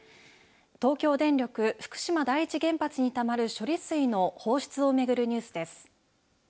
東京電力福島第一原発にたまる処理水の放出を巡るニュースです。